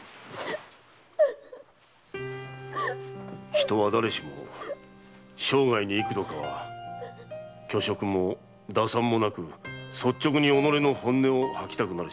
人は誰しも生涯に幾度かは虚飾も打算もなく率直に己の本音を吐きたくなる瞬間があるものだ。